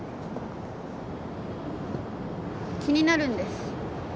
気になるんです。